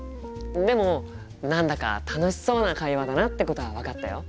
でも何だか楽しそうな会話だなってことは分かったよ。